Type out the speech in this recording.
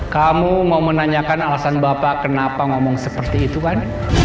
kamu mau menanyakan alasan bapak kenapa ngomong seperti itu kan